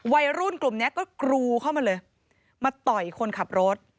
วัยรุ่นกลุ่มนี้ก็กรูเข้ามาเลยมาต่อยคนขับรถ